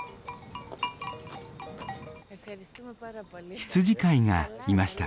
羊飼いがいました。